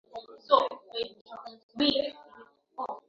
hadi mnamo mwaka sabini kabla ya kristo